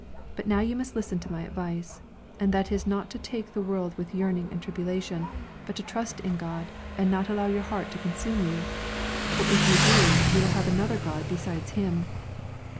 But now you must listen to my advice, and that is not to take the world with yearning and tribulation, but to trust in God and not allow your heart to consume you, for if you do you will have another god besides Him.